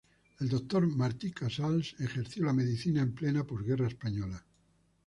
El Dr. Martí Casals ejerció la medicina en plena posguerra española.